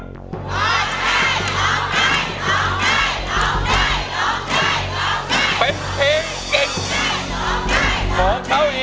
ร้องได้ร้องได้ร้องได้ร้องได้ร้องได้ร้องได้